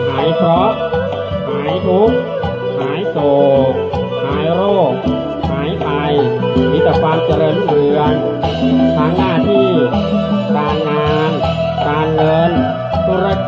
หายเคราะห์หายภูมิหายโศกหายโรคหายไตมิตรฟังเจริญเหลืองทางหน้าที่การงานการเงินธุรกิจ